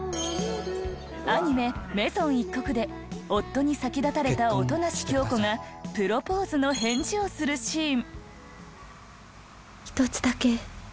アニメ『めぞん一刻』で夫に先立たれた音無響子がプロポーズの返事をするシーン。